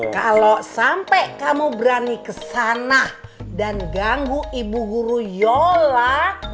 kalau sampai kamu berani ke sana dan ganggu ibu guruyola